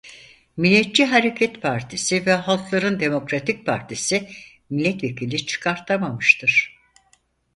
Milliyetçi Hareket Partisi ve Halkların Demokratik Partisi milletvekili çıkartamamıştır.